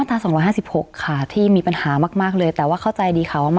ถามไหมถามเค้าไหม